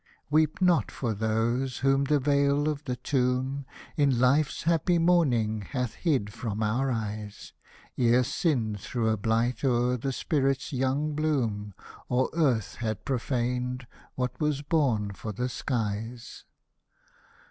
Weep not for those whom the veil of the tomb. In life's happy morning, hath hid from our eyes, Ere sin threw a blight o'er the spirit's young bloom. Or earth had profaned what was born for the skies.